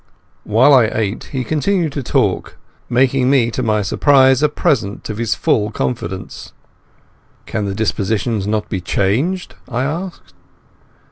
While I ate he continued to talk, making me to my surprise a present of his full confidence. "Can the dispositions not be changed?" I asked.